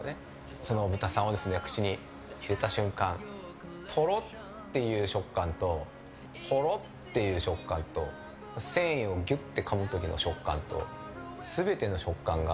その豚さんを口に入れた瞬間とろっていう食感とほろっていう食感と繊維をギュっとかむ時の食感と。